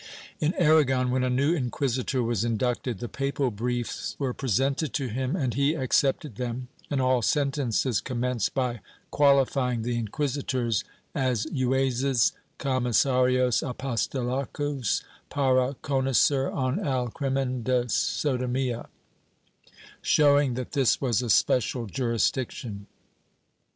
In Aragon, when a new inquisitor was inducted, the papal briefs were presented to him and he accepted them, and all sentences commenced by qualifying the inquisitors as juezes comisarios apostolicos para conocer en el crimen de sodomia, showing that this was a special jurisdiction.